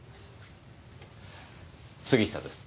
杉下です。